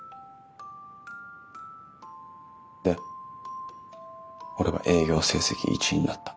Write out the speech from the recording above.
で俺は営業成績１位になった。